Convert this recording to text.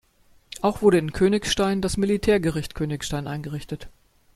Auch wurde in Königstein das Militärgericht Königstein eingerichtet.